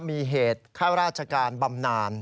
มีเหตุข้าราชการบำนาน